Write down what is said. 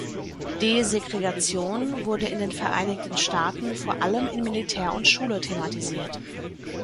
Desegregation wurde in den Vereinigten Staaten vor allem in Militär und Schule thematisiert.